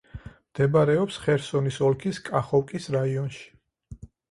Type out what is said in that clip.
მდებარეობს ხერსონის ოლქის კახოვკის რაიონში.